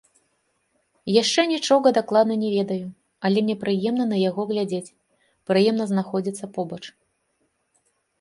Яшчэ нічога дакладна не ведаю, але мне прыемна на яго глядзець, прыемна знаходзіцца побач.